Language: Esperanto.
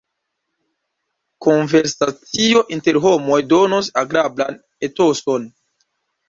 Konversacio inter homoj donos agrablan etoson.